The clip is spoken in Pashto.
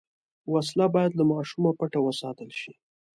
وسله باید له ماشومه پټه وساتل شي